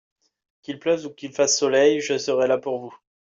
Qu'il pleuve ou qu'il fasse soleil, je serai là pour vous.